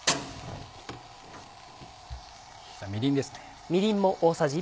みりんです。